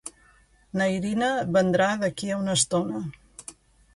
Na Irina vendrà d'aquí a una estona.